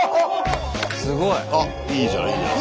すごい。あっいいじゃんいいじゃん。